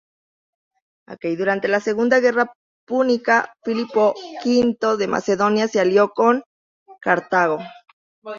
Durante la segunda guerra púnica, Filipo V de Macedonia se alió con Cartago.